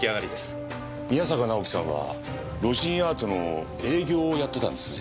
宮坂直樹さんはロジンアートの営業をやってたんですね？